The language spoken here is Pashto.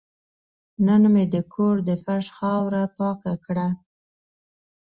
نن مې د کور د فرش خاوره پاکه کړه.